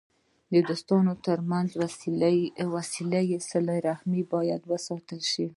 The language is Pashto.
د دوستانو ترمنځ وسیله رحمي باید وساتل سي.